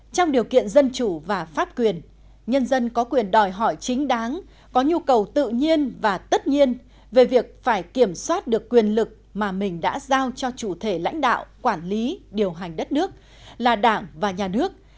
trong điều kiện dân chủ và pháp quyền nhân dân có quyền đòi hỏi chính đáng có nhu cầu tự nhiên và tất nhiên về việc phải kiểm soát được quyền lực mà mình đã giao cho chủ thể lãnh đạo quản lý điều hành đất nước là đảng và nhà nước